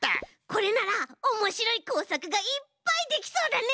これならおもしろいこうさくがいっぱいできそうだね！